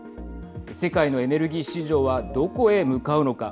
世界のエネルギー市場はどこへ向かうのか。